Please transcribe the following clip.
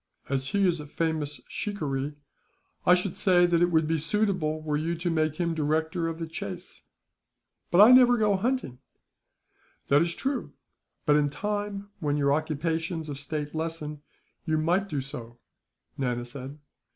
"As he is a famous shikaree, I should say that it would be suitable were you to make him director of the chase." "But I never go hunting." "That is true; but in time, when your occupations of state lessen, you might do so," Nana said.